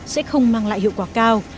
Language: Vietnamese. sẽ không mang lại hiệu quả cao